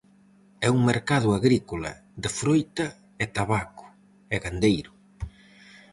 É un mercado agrícola, de froita e tabaco, e gandeiro.